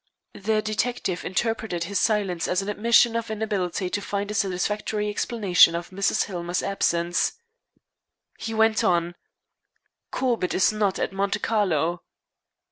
The detective interpreted his silence as an admission of inability to find a satisfactory explanation of Mrs. Hillmer's absence. He went on: "Corbett is not at Monte Carlo."